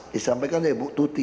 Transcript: disampaikan dari buk tuti